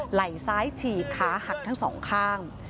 ไหล่ซ้ายฉีกขาหักทั้งสองข้าง